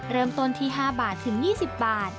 เริ่มต้นที่๕บาทถึง๒๐บาท